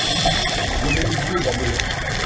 Levez les yeux, badauds.